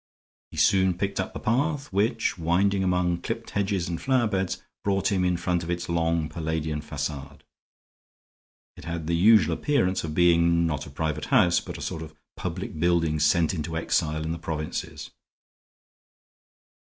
He soon picked up the path which, winding among clipped hedges and flower beds, brought him in front of its long Palladian facade. It had the usual appearance of being, not a private house, but a sort of public building sent into exile in the provinces.